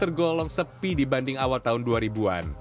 tergolong sepi dibanding awal tahun dua ribu an